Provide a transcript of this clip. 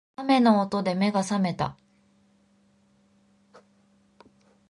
雨の音で目が覚めた